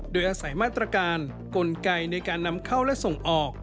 โดยอาศัยมาตรการกลไกในการนำเข้าและส่งออก